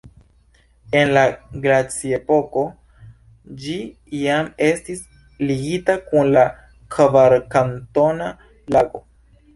En la glaciepoko ĝi iam estis ligita kun la Kvarkantona Lago.